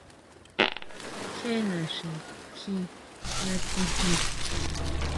Jé naxi kjin matsejen.